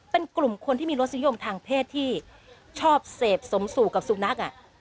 เป็นกลุ่มคนที่มีรสนิยมทางเพศที่ชอบเสพสมสู่กับสุนัข